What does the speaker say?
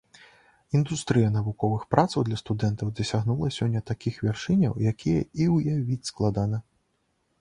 Індустрыя навуковых працаў для студэнтаў дасягнула сёння такіх вяршыняў, якія і ўявіць складана.